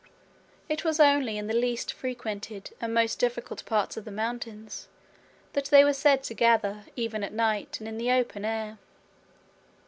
It was only in the least frequented and most difficult parts of the mountains that they were said to gather even at night in the open air.